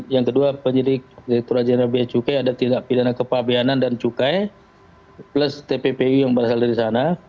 yang kedua penyidik direkturat jenderal biaya cukai ada tindak pidana kepabianan dan cukai plus tppu yang berasal dari sana